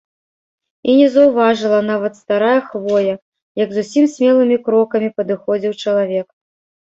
І не заўважыла нават старая хвоя, як зусім смелымі крокамі падыходзіў чалавек.